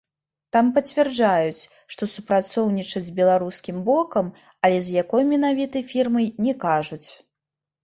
Там пацвярджаюць, што супрацоўнічаюць з беларускім бокам, але з якой менавіта фірмай, не кажуць.